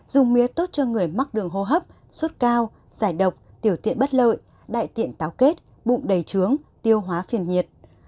dùng mía tốt cho người mắc đường hô hấp sốt cao giải độc tiểu tiện bất lợi đại tiện táo kết bụng đầy trướng tiêu hóa phiền nhiệt